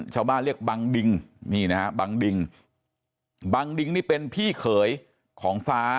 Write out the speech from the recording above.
ชาวบ้านเรียกบังดิงนี่นะฮะบังดิงบังดิงนี่เป็นพี่เขยของฟ้า